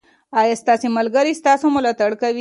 ایا ستاسې ملګري ستاسې ملاتړ کوي؟